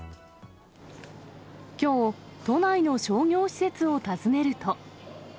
きょう、都内の商業施設を訪ねると。